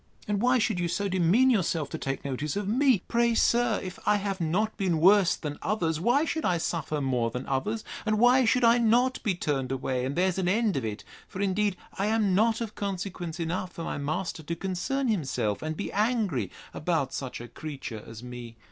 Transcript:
And why should you so demean yourself to take notice of me? Pray, sir, if I have not been worse than others, why should I suffer more than others? and why should I not be turned away, and there's an end of it? For indeed I am not of consequence enough for my master to concern himself, and be angry about such a creature as me.